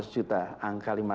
lima ratus juta angka